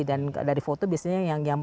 dan dari foto biasanya yang